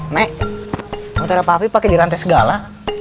nek motornya pak fi pake dirantai segala